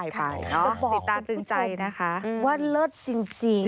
ติดตาตลึงใจจริง